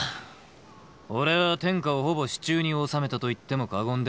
俺は天下をほぼ手中に収めたと言っても過言ではない。